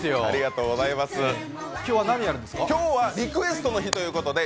今日はリクエストの日ということです。